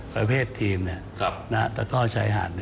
ประเภททีมประเภทต้องใช้หาด